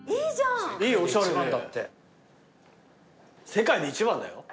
世界で一番だよ。